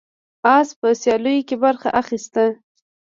اس په سیالیو کې برخه اخیسته.